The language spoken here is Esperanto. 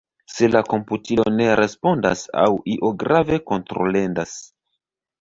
Se la komputilo ne respondas aŭ io grave kontrolendas.